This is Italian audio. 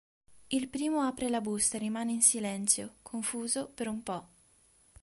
Il primo apre la busta e rimane in silenzio, confuso, per un po'.